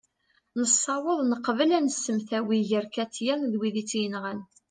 nessaweḍ neqbel ad nsemtawi gar katia d wid i tt-yenɣan